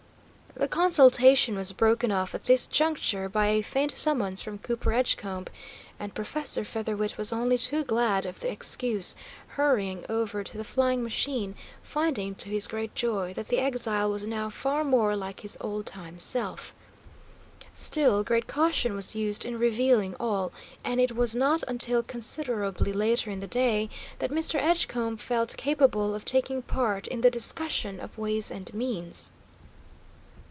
The consultation was broken off at this juncture by a faint summons from Cooper Edgecombe, and Professor Featherwit was only too glad of the excuse, hurrying over to the flying machine, finding to his great joy that the exile was now far more like his old time self. Still, great caution was used in revealing all, and it was not until considerably later in the day that Mr. Edgecombe felt capable of taking part in the discussion of ways and means.